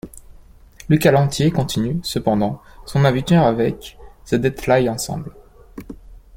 Lucas Lanthier continue, cependant, son aventure avec The Deadfly Ensemble.